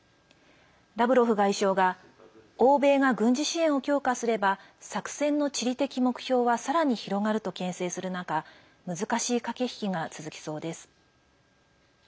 ラブロフ外相が欧米が軍事支援を強化すれば作戦の地理的目標はさらに広がるとけん制する中難しい駆け引きが続きそうです。